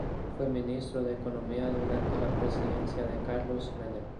Fue ministro de Economía durante la presidencia de Carlos Menem.